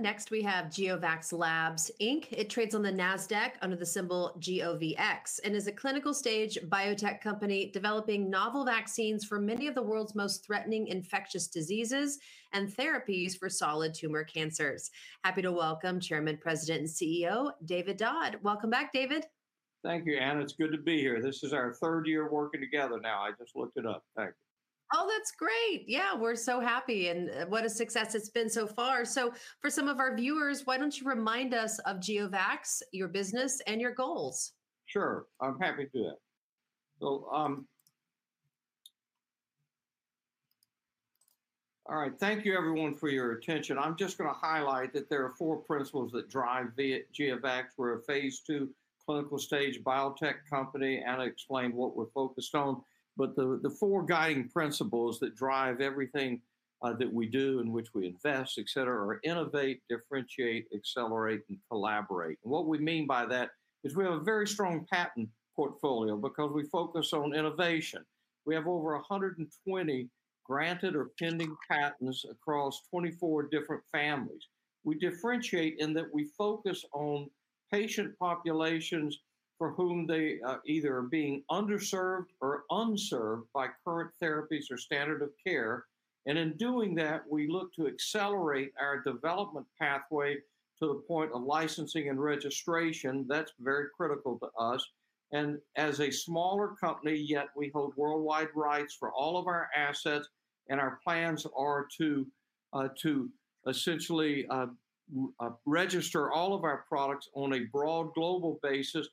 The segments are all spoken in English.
Next, we have GeoVax Labs Inc. It trades on the NASDAQ under the symbol GOVX and is a clinical stage biotech company developing novel vaccines for many of the world's most threatening infectious diseases and therapies for solid tumor cancers. Happy to welcome Chairman, President, and CEO David Dodd. Welcome back, David. Thank you, Anna. It's good to be here. This is our third year working together now. I just looked it up. Thank you. Oh, that's great. Yeah, we're so happy. And what a success it's been so far. So for some of our viewers, why don't you remind us of GeoVax, your business, and your goals? Sure. I'm happy to do that. So, all right, thank you everyone for your attention. I'm just going to highlight that there are four principles that drive GeoVax. We're a Phase 2 clinical stage biotech company. Anna explained what we're focused on, but the four guiding principles that drive everything that we do and which we invest, et cetera, are innovate, differentiate, accelerate, and collaborate. And what we mean by that is we have a very strong patent portfolio because we focus on innovation. We have over 120 granted or pending patents across 24 different families. We differentiate in that we focus on patient populations for whom they either are being underserved or unserved by current therapies or standard of care. And in doing that, we look to accelerate our development pathway to the point of licensing and registration. That's very critical to us. As a smaller company, yet we hold worldwide rights for all of our assets, and our plans are to essentially register all of our products on a broad global basis.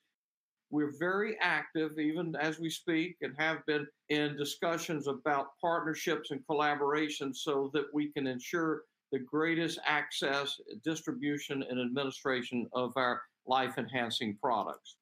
We're very active even as we speak and have been in discussions about partnerships and collaboration so that we can ensure the greatest access, distribution, and administration of our life-enhancing products.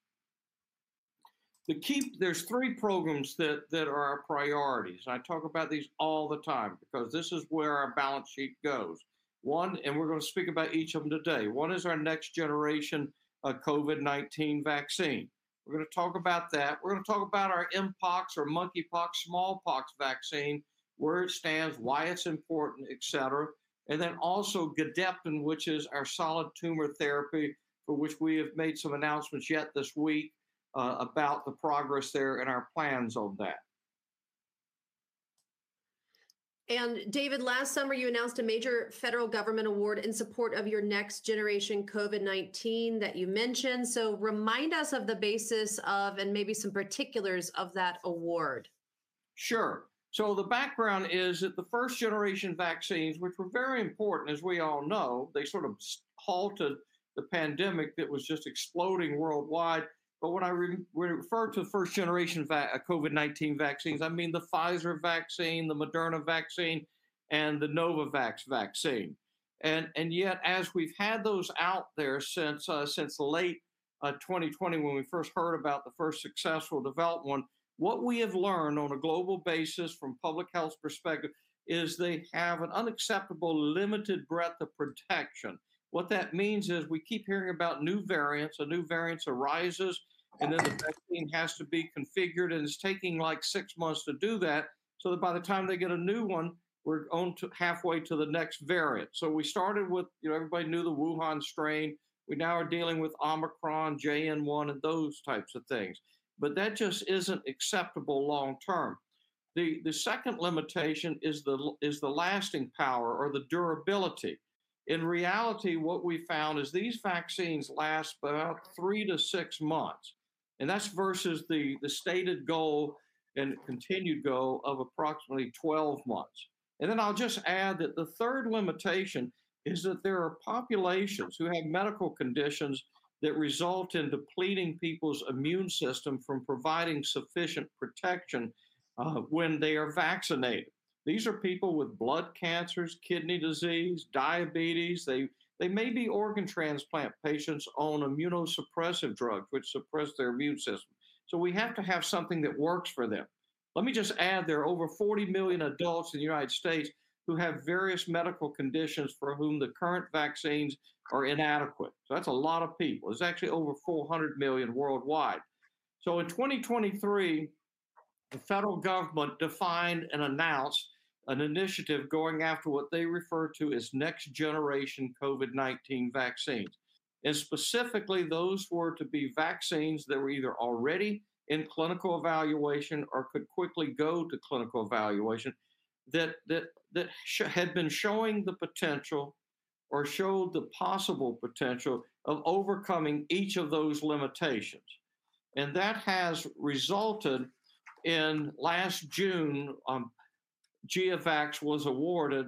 There's three programs that are our priorities. I talk about these all the time because this is where our balance sheet goes. One, and we're going to speak about each of them today. One is our next generation COVID-19 vaccine. We're going to talk about that. We're going to talk about our mpox or monkeypox, smallpox vaccine, where it stands, why it's important, et cetera. Then also Gedeptin, which is our solid tumor therapy for which we have made some announcements yet this week about the progress there and our plans on that. David, last summer you announced a major federal government award in support of your next generation COVID-19 that you mentioned. Remind us of the basis of and maybe some particulars of that award. Sure. So the background is that the first generation vaccines, which were very important, as we all know, they sort of halted the pandemic that was just exploding worldwide. But when I refer to the first generation COVID-19 vaccines, I mean the Pfizer vaccine, the Moderna vaccine, and the Novavax vaccine. And yet, as we've had those out there since late 2020, when we first heard about the first successful development, what we have learned on a global basis from a public health perspective is they have an unacceptable limited breadth of protection. What that means is we keep hearing about new variants. A new variant arises, and then the vaccine has to be configured, and it's taking like six months to do that so that by the time they get a new one, we're on halfway to the next variant. So we started with, you know, everybody knew the Wuhan strain. We now are dealing with Omicron, JN.1, and those types of things. But that just isn't acceptable long term. The second limitation is the lasting power or the durability. In reality, what we found is these vaccines last about three to six months. And that's versus the stated goal and continued goal of approximately 12 months. And then I'll just add that the third limitation is that there are populations who have medical conditions that result in depleting people's immune system from providing sufficient protection when they are vaccinated. These are people with blood cancers, kidney disease, diabetes. They may be organ transplant patients on immunosuppressive drugs which suppress their immune system. So we have to have something that works for them. Let me just add there are over 40 million adults in the United States who have various medical conditions for whom the current vaccines are inadequate. So that's a lot of people. It's actually over 400 million worldwide. So in 2023, the federal government defined and announced an initiative going after what they refer to as next generation COVID-19 vaccines, and specifically, those were to be vaccines that were either already in clinical evaluation or could quickly go to clinical evaluation that had been showing the potential or showed the possible potential of overcoming each of those limitations. That has resulted in last June. GeoVax was awarded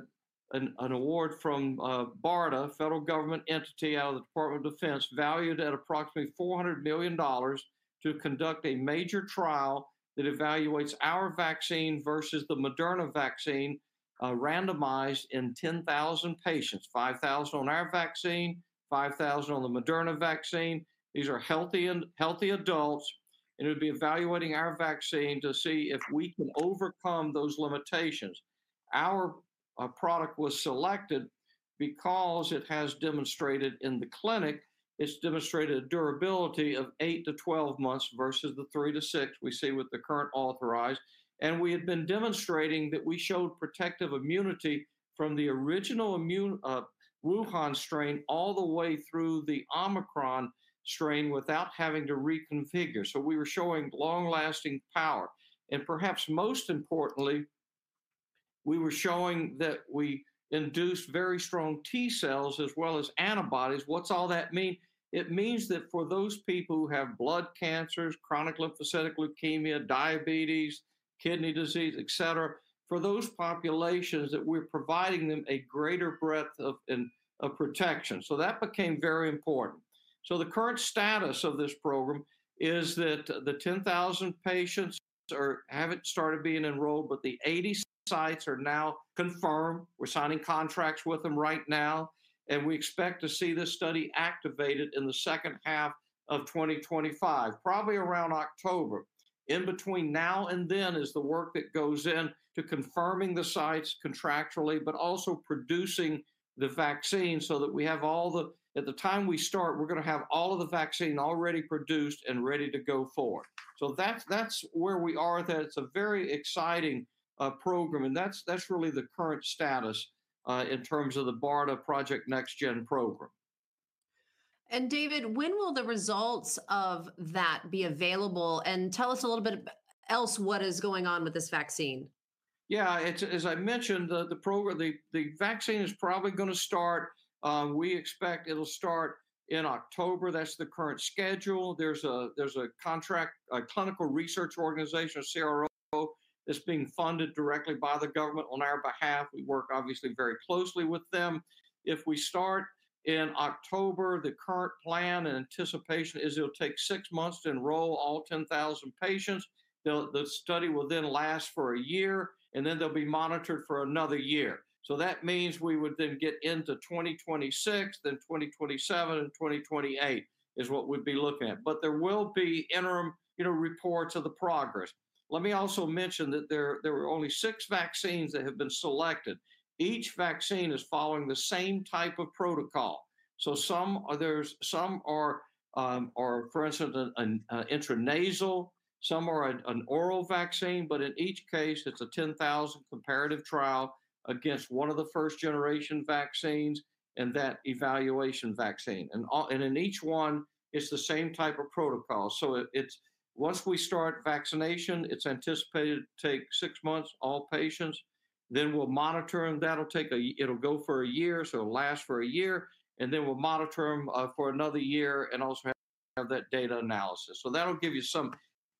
an award from BARDA, a federal government entity out of the Department of Defense, valued at approximately $400 million to conduct a major trial that evaluates our vaccine versus the Moderna vaccine, randomized in 10,000 patients, 5,000 on our vaccine, 5,000 on the Moderna vaccine. These are healthy adults. It would be evaluating our vaccine to see if we can overcome those limitations. Our product was selected because it has demonstrated in the clinic. It's demonstrated a durability of eight to 12 months versus the three to six we see with the current authorized. We had been demonstrating that we showed protective immunity from the original Wuhan strain all the way through the Omicron strain without having to reconfigure. We were showing long-lasting power. And perhaps most importantly, we were showing that we induced very strong T cells as well as antibodies. What's all that mean? It means that for those people who have blood cancers, chronic lymphocytic leukemia, diabetes, kidney disease, et cetera, for those populations, that we're providing them a greater breadth of protection. So that became very important. So the current status of this program is that the 10,000 patients haven't started being enrolled, but the 80 sites are now confirmed. We're signing contracts with them right now. And we expect to see this study activated in the second half of 2025, probably around October. In between now and then is the work that goes into confirming the sites contractually, but also producing the vaccine so that we have all the, at the time we start, we're going to have all of the vaccine already produced and ready to go forward. So that's where we are. That's a very exciting program. And that's really the current status in terms of the BARDA Project NextGen program. And David, when will the results of that be available? And tell us a little bit else what is going on with this vaccine? Yeah, as I mentioned, the program, the vaccine is probably going to start. We expect it'll start in October. That's the current schedule. There's a contract, a clinical research organization, CRO, that's being funded directly by the government on our behalf. We work obviously very closely with them. If we start in October, the current plan and anticipation is it'll take six months to enroll all 10,000 patients. The study will then last for a year, and then they'll be monitored for another year. So that means we would then get into 2026, then 2027, and 2028 is what we'd be looking at. But there will be interim, you know, reports of the progress. Let me also mention that there were only six vaccines that have been selected. Each vaccine is following the same type of protocol. So some are, for instance, an intranasal, some are an oral vaccine, but in each case, it's a 10,000 comparative trial against one of the first generation vaccines and that evaluation vaccine. And in each one, it's the same type of protocol. So it's, once we start vaccination, it's anticipated to take six months, all patients. Then we'll monitor them. That'll take a, it'll go for a year, so it'll last for a year. And then we'll monitor them for another year and also have that data analysis. So that'll give you some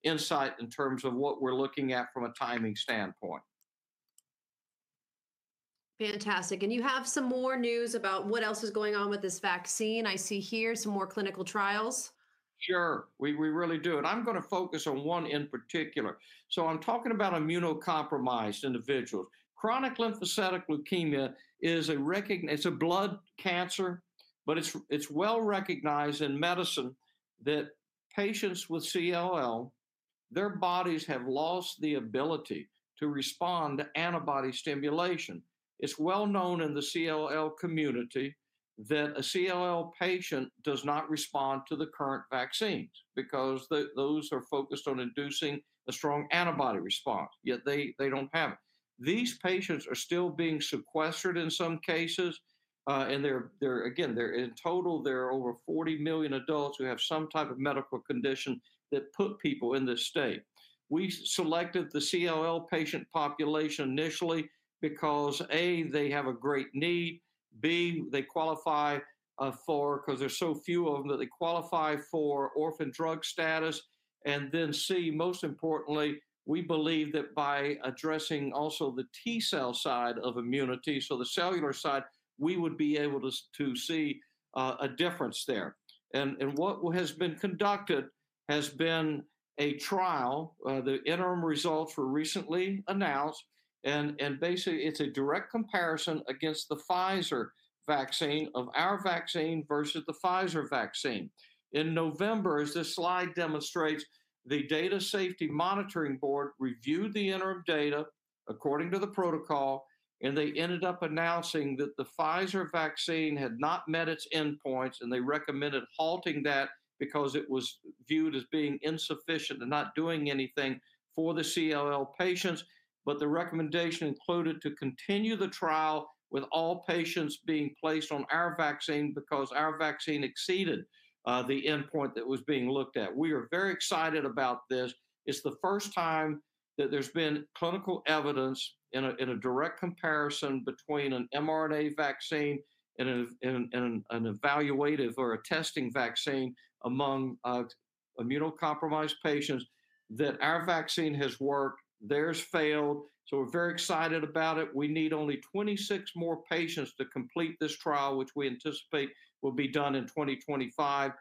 insight in terms of what we're looking at from a timing standpoint. Fantastic. And you have some more news about what else is going on with this vaccine. I see here some more clinical trials. Sure. We really do. And I'm going to focus on one in particular. So I'm talking about immunocompromised individuals. chronic lymphocytic leukemia is a recognized. It's a blood cancer, but it's well recognized in medicine that patients with CLL, their bodies have lost the ability to respond to antibody stimulation. It's well known in the CLL community that a CLL patient does not respond to the current vaccines because those are focused on inducing a strong antibody response, yet they don't have it. These patients are still being sequestered in some cases. And they're, again, in total, there are over 40 million adults who have some type of medical condition that put people in this state. We selected the CLL patient population initially because A, they have a great need. B, they qualify for, because there's so few of them, that they qualify for orphan drug status. Then C, most importantly, we believe that by addressing also the T cell side of immunity, so the cellular side, we would be able to see a difference there. What has been conducted has been a trial. The interim results were recently announced. Basically, it's a direct comparison against the Pfizer vaccine of our vaccine versus the Pfizer vaccine. In November, as this slide demonstrates, the Data Safety Monitoring Board reviewed the interim data according to the protocol, and they ended up announcing that the Pfizer vaccine had not met its endpoints, and they recommended halting that because it was viewed as being insufficient and not doing anything for the CLL patients. But the recommendation included to continue the trial with all patients being placed on our vaccine because our vaccine exceeded the endpoint that was being looked at. We are very excited about this. It's the first time that there's been clinical evidence in a direct comparison between an mRNA vaccine and an evaluative or a testing vaccine among immunocompromised patients that our vaccine has worked, theirs failed. So we're very excited about it. We need only 26 more patients to complete this trial, which we anticipate will be done in 2025.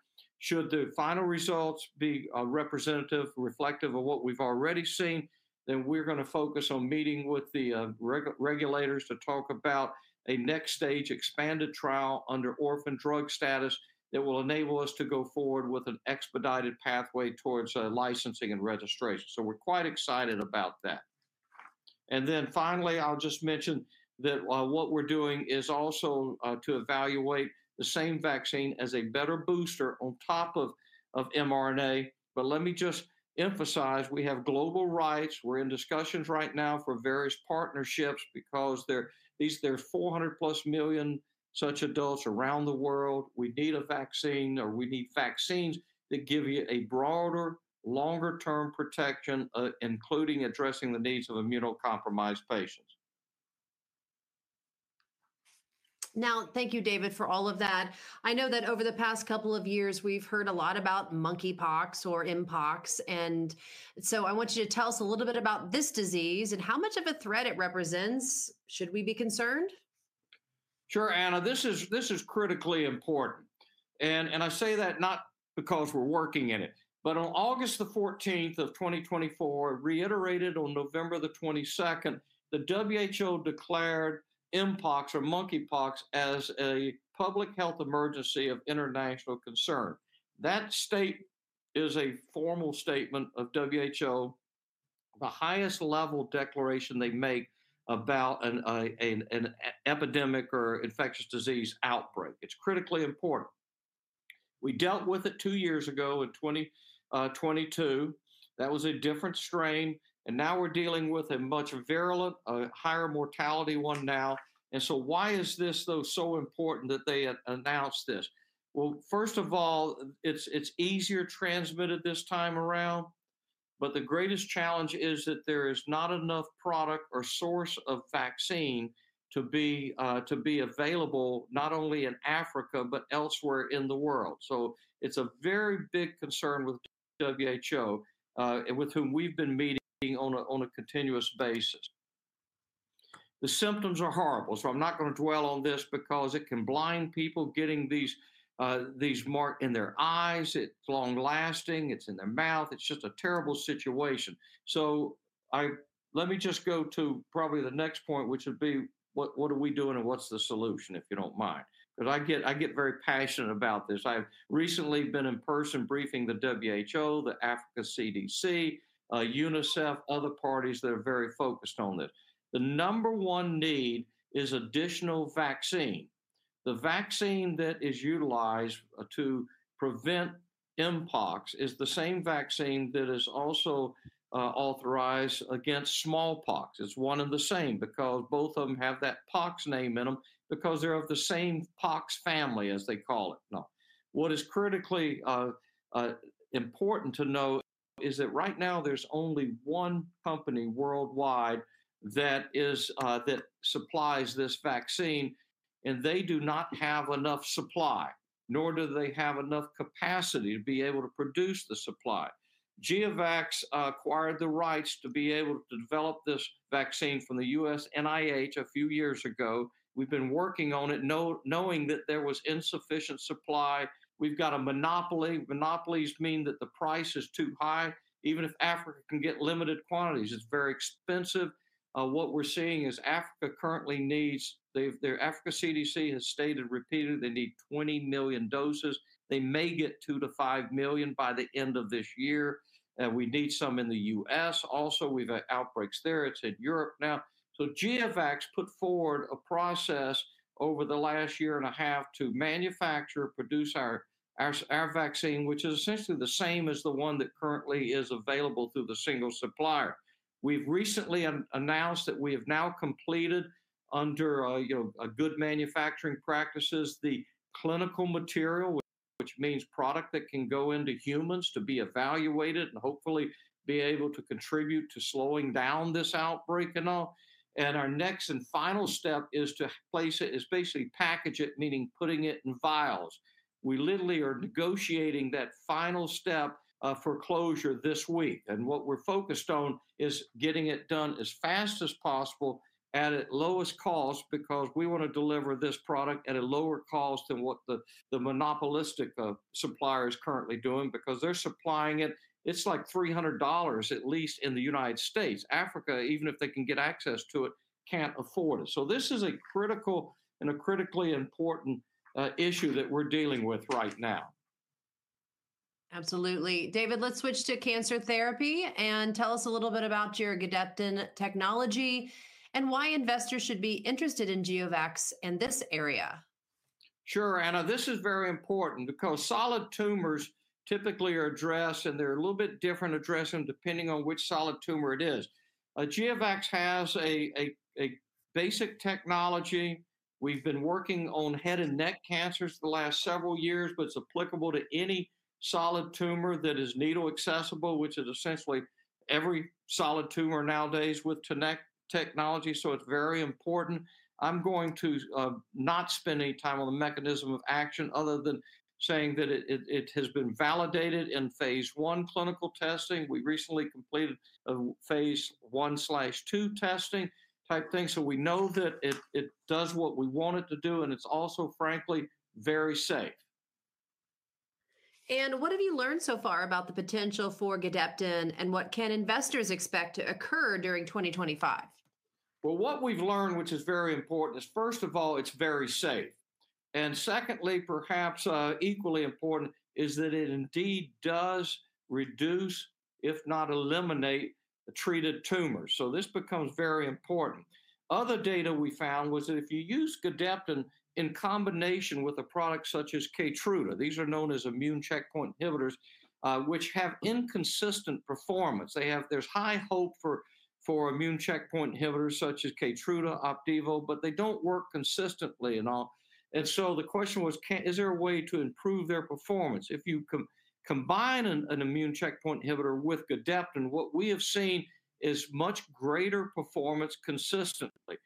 Should the final results be representative, reflective of what we've already seen, then we're going to focus on meeting with the regulators to talk about a next stage expanded trial under orphan drug status that will enable us to go forward with an expedited pathway towards licensing and registration. So we're quite excited about that. And then finally, I'll just mention that what we're doing is also to evaluate the same vaccine as a better booster on top of mRNA. But let me just emphasize, we have global rights. We're in discussions right now for various partnerships because there are 400 plus million such adults around the world. We need a vaccine or we need vaccines that give you a broader, longer term protection, including addressing the needs of immunocompromised patients. Now, thank you, David, for all of that. I know that over the past couple of years, we've heard a lot about monkeypox or mpox. And so I want you to tell us a little bit about this disease and how much of a threat it represents. Should we be concerned? Sure, Anna, this is critically important. And I say that not because we're working in it, but on August the 14th of 2024, reiterated on November the 22nd, the WHO declared mpox or monkeypox as a public health emergency of international concern. That state is a formal statement of WHO, the highest level declaration they make about an epidemic or infectious disease outbreak. It's critically important. We dealt with it two years ago in 2022. That was a different strain. And now we're dealing with a much virulent, a higher mortality one now. And so why is this though so important that they announced this? Well, first of all, it's easier transmitted this time around, but the greatest challenge is that there is not enough product or source of vaccine to be available not only in Africa, but elsewhere in the world. So it's a very big concern with WHO, with whom we've been meeting on a continuous basis. The symptoms are horrible. So I'm not going to dwell on this because it can blind people, getting these marked in their eyes. It's long lasting. It's in their mouth. It's just a terrible situation. So let me just go to probably the next point, which would be, what are we doing and what's the solution, if you don't mind? Because I get very passionate about this. I've recently been in person briefing the WHO, the Africa CDC, UNICEF, other parties that are very focused on this. The number one need is additional vaccine. The vaccine that is utilized to prevent mpox is the same vaccine that is also authorized against smallpox. It's one and the same because both of them have that pox name in them because they're of the same pox family, as they call it. Now, what is critically important to know is that right now there's only one company worldwide that supplies this vaccine, and they do not have enough supply, nor do they have enough capacity to be able to produce the supply. GeoVax acquired the rights to be able to develop this vaccine from the U.S. NIH a few years ago. We've been working on it, knowing that there was insufficient supply. We've got a monopoly. Monopolies mean that the price is too high. Even if Africa can get limited quantities, it's very expensive. What we're seeing is Africa currently needs. The Africa CDC has stated repeatedly, they need 20 million doses. They may get two to five million by the end of this year. We need some in the U.S. Also, we've had outbreaks there. It's in Europe now, so GeoVax put forward a process over the last year and a half to manufacture, produce our vaccine, which is essentially the same as the one that currently is available through the single supplier. We've recently announced that we have now completed, under good manufacturing practices, the clinical material, which means product that can go into humans to be evaluated and hopefully be able to contribute to slowing down this outbreak and all, and our next and final step is to place it, basically package it, meaning putting it in vials. We literally are negotiating that final step for closure this week. What we're focused on is getting it done as fast as possible at its lowest cost because we want to deliver this product at a lower cost than what the monopolistic supplier is currently doing because they're supplying it. It's like $300 at least in the United States. Africa, even if they can get access to it, can't afford it. This is a critical and a critically important issue that we're dealing with right now. Absolutely. David, let's switch to cancer therapy and tell us a little bit about your Gedeptin technology and why investors should be interested in GeoVax in this area. Sure, Anna, this is very important because solid tumors typically are addressed and they're a little bit different addressing depending on which solid tumor it is. GeoVax has a basic technology. We've been working on head and neck cancers the last several years, but it's applicable to any solid tumor that is needle accessible, which is essentially every solid tumor nowadays with today's technology. So it's very important. I'm going to not spend any time on the mechanism of action other than saying that it has been validated in Phase 1 clinical testing. We recently completed Phase 1/2 testing type thing. So we know that it does what we want it to do and it's also frankly very safe. What have you learned so far about the potential for Gedeptin and what can investors expect to occur during 2025? What we've learned, which is very important, is first of all, it's very safe, and secondly, perhaps equally important, is that it indeed does reduce, if not eliminate, treated tumors, so this becomes very important. Other data we found was that if you use Gedeptin in combination with a product such as Keytruda, these are known as immune checkpoint inhibitors, which have inconsistent performance. There's high hope for immune checkpoint inhibitors such as Keytruda, Opdivo, but they don't work consistently and all, and so the question was, is there a way to improve their performance? If you combine an immune checkpoint inhibitor with Gedeptin, what we have seen is much greater performance consistently.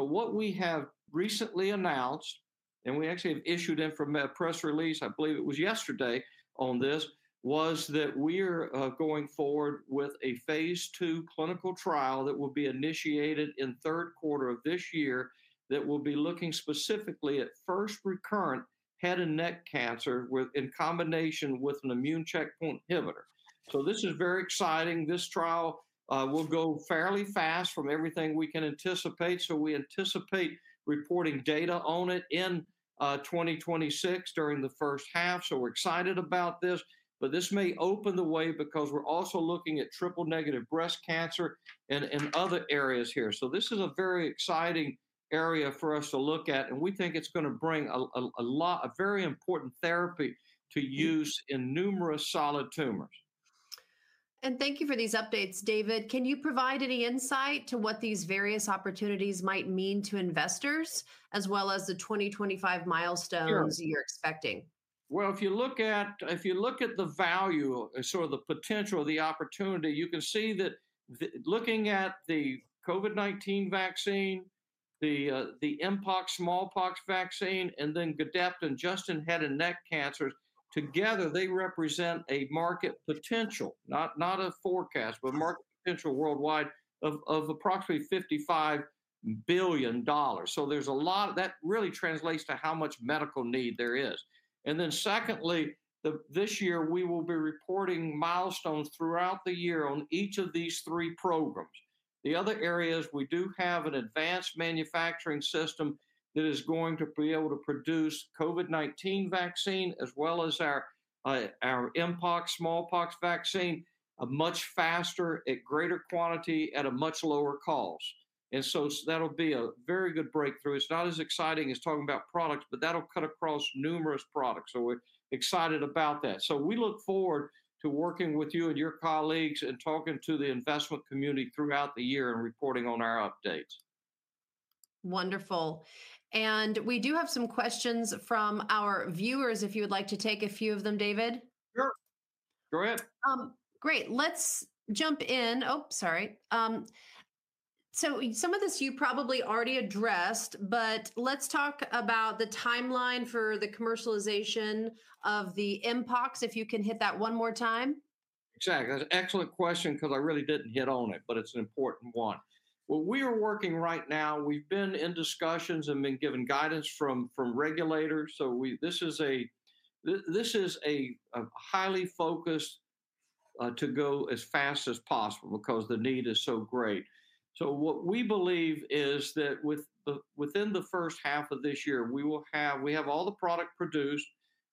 What we have recently announced, and we actually have issued a press release, I believe it was yesterday on this, was that we are going forward with a Phase 2 clinical trial that will be initiated in third quarter of this year that will be looking specifically at first recurrent head and neck cancer in combination with an immune checkpoint inhibitor. So this is very exciting. This trial will go fairly fast from everything we can anticipate. So we anticipate reporting data on it in 2026 during the first half. So we're excited about this, but this may open the way because we're also looking at triple-negative breast cancer and other areas here. So this is a very exciting area for us to look at. And we think it's going to bring a lot, a very important therapy to use in numerous solid tumors. Thank you for these updates, David. Can you provide any insight to what these various opportunities might mean to investors, as well as the 2025 milestones you're expecting? If you look at the value, sort of the potential, the opportunity, you can see that looking at the COVID-19 vaccine, the mpox, smallpox vaccine, and then Gedeptin, just in head and neck cancers together, they represent a market potential, not a forecast, but market potential worldwide of approximately $55 billion. There's a lot that really translates to how much medical need there is. Secondly, this year we will be reporting milestones throughout the year on each of these three programs. The other areas, we do have an advanced manufacturing system that is going to be able to produce COVID-19 vaccine, as well as our mpox, smallpox vaccine, much faster, at greater quantity, at a much lower cost. That'll be a very good breakthrough. It's not as exciting as talking about products, but that'll cut across numerous products. So we're excited about that. So we look forward to working with you and your colleagues and talking to the investment community throughout the year and reporting on our updates. Wonderful. And we do have some questions from our viewers, if you would like to take a few of them, David. Sure. Go ahead. Great. Let's jump in. Oh, sorry. So some of this you probably already addressed, but let's talk about the timeline for the commercialization of the mpox, if you can hit that one more time. Exactly. That's an excellent question because I really didn't hit on it, but it's an important one. What we are working right now, we've been in discussions and been given guidance from regulators, so this is a highly focused to go as fast as possible because the need is so great, so what we believe is that within the first half of this year, we will have, we have all the product produced,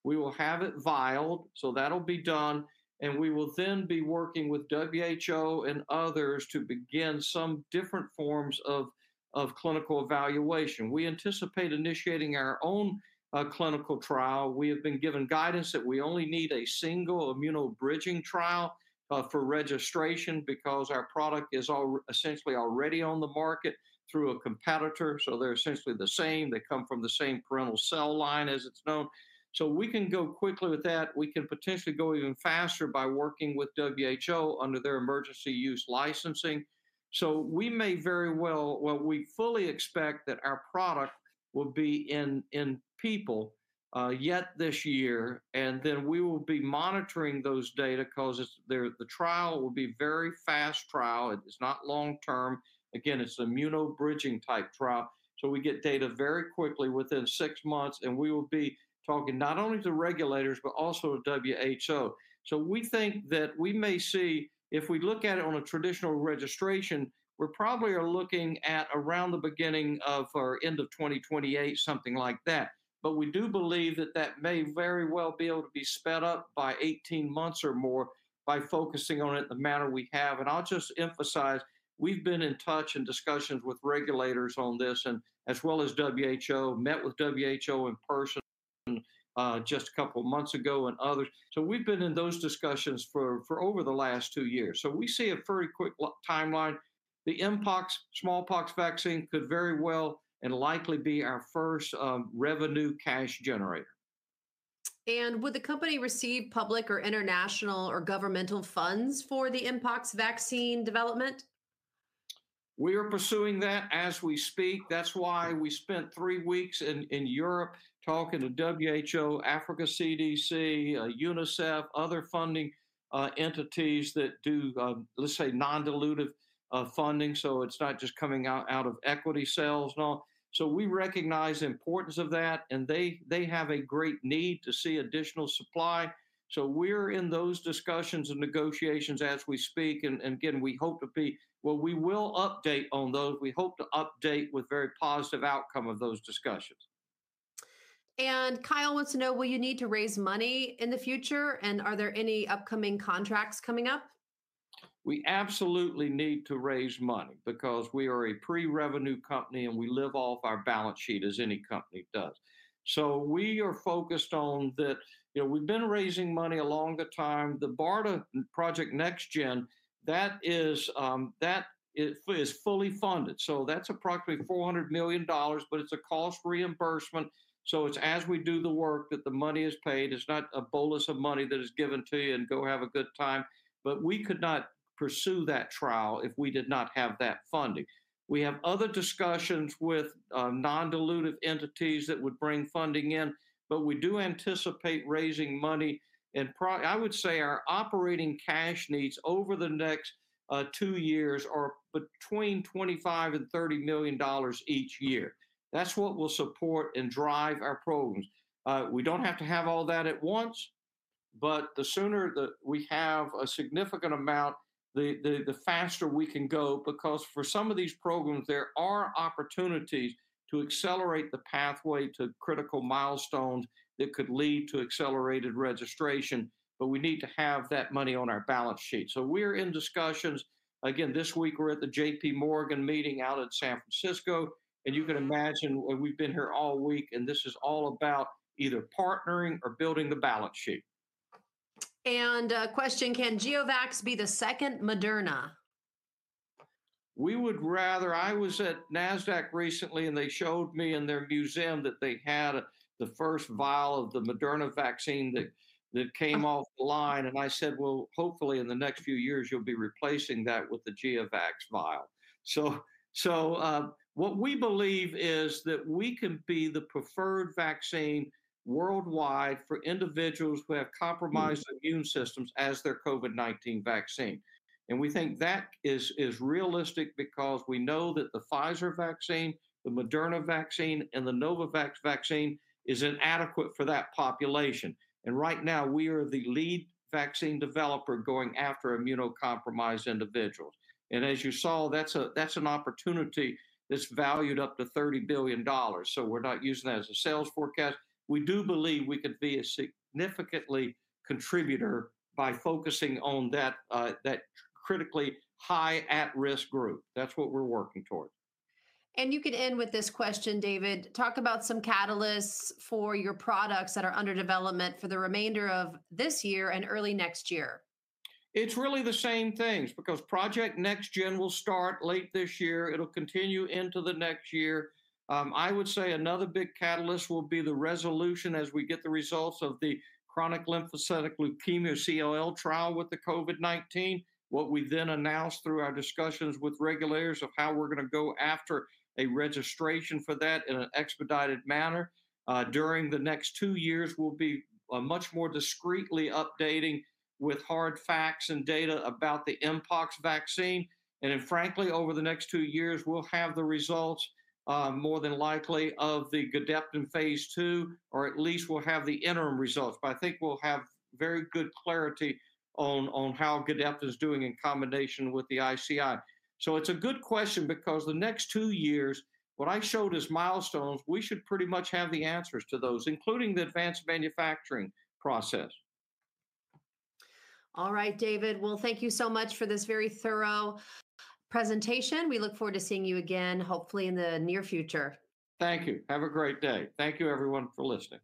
we will have it vialed, so that'll be done, and we will then be working with WHO and others to begin some different forms of clinical evaluation. We anticipate initiating our own clinical trial. We have been given guidance that we only need a single immuno-bridging trial for registration because our product is essentially already on the market through a competitor, so they're essentially the same. They come from the same parental cell line as it's known, so we can go quickly with that. We can potentially go even faster by working with WHO under their emergency use licensing, so we may very well, well, we fully expect that our product will be in people yet this year, and then we will be monitoring those data because the trial will be a very fast trial. It's not long term. Again, it's an immuno-bridging type trial, so we get data very quickly within six months, and we will be talking not only to regulators, but also to WHO, so we think that we may see if we look at it on a traditional registration, we're probably looking at around the beginning or end of 2028, something like that. But we do believe that that may very well be able to be sped up by 18 months or more by focusing on it in the manner we have. And I'll just emphasize, we've been in touch and discussions with regulators on this and as well as WHO. Met with WHO in person just a couple of months ago and others. So we've been in those discussions for over the last two years. So we see a very quick timeline. The mpox, smallpox vaccine could very well and likely be our first revenue cash generator. Would the company receive public or international or governmental funds for the mpox vaccine development? We are pursuing that as we speak. That's why we spent three weeks in Europe talking to WHO, Africa CDC, UNICEF, other funding entities that do, let's say, non-dilutive funding. So it's not just coming out of equity sales and all. So we recognize the importance of that. And they have a great need to see additional supply. So we're in those discussions and negotiations as we speak. And again, we hope to be, well, we will update on those. We hope to update with very positive outcome of those discussions. Kyle wants to know, will you need to raise money in the future? Are there any upcoming contracts coming up? We absolutely need to raise money because we are a pre-revenue company and we live off our balance sheet as any company does, so we are focused on that. You know, we've been raising money a long time. The BARDA Project NextGen, that is fully funded, so that's approximately $400 million, but it's a cost reimbursement, so it's as we do the work that the money is paid. It's not a bolus of money that is given to you and go have a good time, but we could not pursue that trial if we did not have that funding. We have other discussions with non-dilutive entities that would bring funding in, but we do anticipate raising money, and I would say our operating cash needs over the next two years are between $25 and $30 million each year. That's what will support and drive our programs. We don't have to have all that at once, but the sooner that we have a significant amount, the faster we can go because for some of these programs, there are opportunities to accelerate the pathway to critical milestones that could lead to accelerated registration. But we need to have that money on our balance sheet. So we're in discussions. Again, this week we're at the JPMorgan meeting out at San Francisco. And you can imagine we've been here all week and this is all about either partnering or building the balance sheet. Question, can GeoVax be the next Moderna? We would rather. I was at NASDAQ recently and they showed me in their museum that they had the first vial of the Moderna vaccine that came off the line. And I said, "Well, hopefully in the next few years, you'll be replacing that with the GeoVax vial." So what we believe is that we can be the preferred vaccine worldwide for individuals who have compromised immune systems as their COVID-19 vaccine. And we think that is realistic because we know that the Pfizer vaccine, the Moderna vaccine, and the Novavax vaccine is inadequate for that population. And right now, we are the lead vaccine developer going after immunocompromised individuals. And as you saw, that's an opportunity that's valued up to $30 billion. So we're not using that as a sales forecast. We do believe we could be a significant contributor by focusing on that critically high at-risk group. That's what we're working towards. You can end with this question, David: talk about some catalysts for your products that are under development for the remainder of this year and early next year. It's really the same things because Project NextGen will start late this year. It'll continue into the next year. I would say another big catalyst will be the resolution as we get the results of the chronic lymphocytic leukemia CLL trial with the COVID-19. What we then announced through our discussions with regulators of how we're going to go after a registration for that in an expedited manner during the next two years, we'll be much more discreetly updating with hard facts and data about the mpox vaccine. Frankly, over the next two years, we'll have the results more than likely of the Gedeptin phase 2, or at least we'll have the interim results. I think we'll have very good clarity on how Gedeptin is doing in combination with the ICI. So it's a good question because the next two years, what I showed as milestones, we should pretty much have the answers to those, including the advanced manufacturing process. All right, David. Well, thank you so much for this very thorough presentation. We look forward to seeing you again, hopefully in the near future. Thank you. Have a great day. Thank you, everyone, for listening.